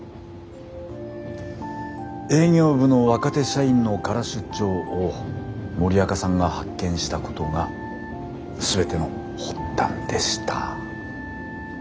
営業部の若手社員の空出張を森若さんが発見したことが全ての発端でした。